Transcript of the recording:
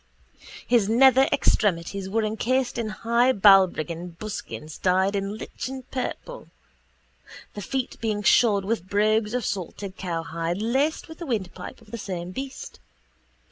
His nether extremities were encased in high Balbriggan buskins dyed in lichen purple, the feet being shod with brogues of salted cowhide laced with the windpipe of the same beast.